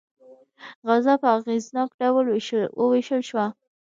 غذا په اغېزناک ډول وویشل شوه.